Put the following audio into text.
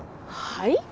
はい？